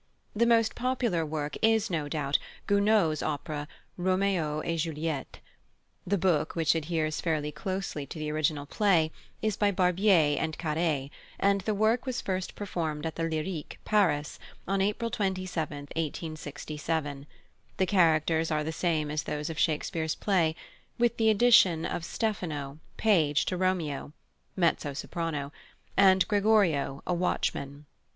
The most popular work is, no doubt, Gounod's opera Roméo et Juliette. The book, which adheres fairly closely to the original play, is by Barbier and Carré, and the work was first performed at the Lyrique, Paris, on April 27, 1867. The characters are the same as those of Shakespeare's play, with the addition of Stephano, page to Romeo (mez. sop.), and Gregorio, a watchman.